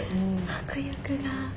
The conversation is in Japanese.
迫力が。